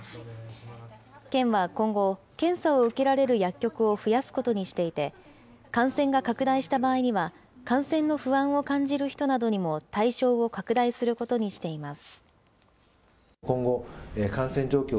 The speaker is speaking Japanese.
県は今後、検査を受けられる薬局を増やすことにしていて、感染が拡大した場合には、感染の不安を感じる人などにも対象を拡大することにしています。